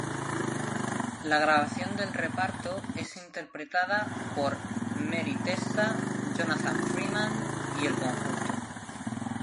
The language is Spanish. La grabación del reparto es interpretada por Mary Testa, Jonathan Freeman, y el conjunto.